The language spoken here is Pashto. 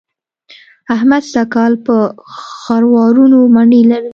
احمد سږ کال په خروارونو مڼې لرلې.